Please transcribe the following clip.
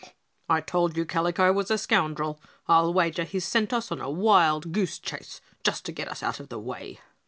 I told you Kalico was a scoundrel; I'll wager he's sent us on a wild goose chase just to get us out of the way."